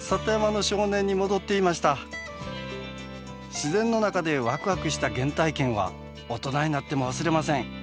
自然の中でワクワクした原体験は大人になっても忘れません。